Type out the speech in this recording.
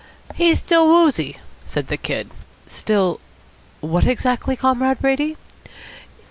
"He's still woozy," said the Kid. "Still what exactly, Comrade Brady?"